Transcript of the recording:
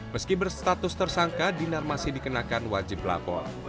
meski berstatus tersangka dinar masih dikenakan wajib lapor